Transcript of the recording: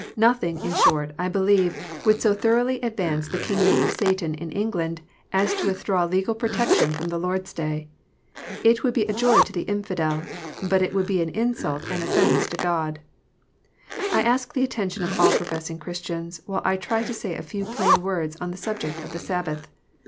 Nothing, in short, I believe, would so thoroughly advance the kingdom of Satan in England, as to withdraw legal protection from the Lord s Day. It would be a joy to the infidel ; but it would be an insult and offence to God. I ask the attention of all professing Christians, while I try to say a few plain words on the subject of the Sabbath.